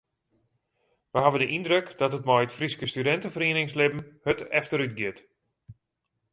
Wy ha de yndruk dat it mei it Fryske studinteferieningslibben hurd efterútgiet.